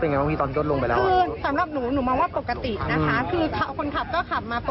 เพราะว่าเขาโค้งกว้างเนาะแต่ว่าความรู้สึกคือเขาก็ขับอยู่ในเกณฑ์ที่ดี